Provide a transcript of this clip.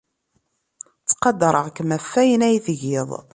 Ttqadareɣ-kem ɣef wayen ay tgiḍ.